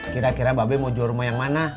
kira kira babe mau jual rumah yang mana